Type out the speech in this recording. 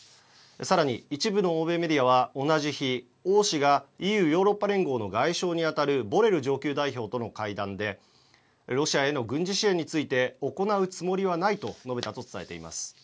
さらに一部の欧米メディアは同じ日王氏がＥＵ＝ヨーロッパ連合の外相に当たるボレル上級代表との会談でロシアへの軍事支援について行うつもりはないと述べたと伝えています。